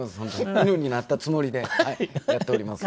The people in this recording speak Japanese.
犬になったつもりでやっておりますので。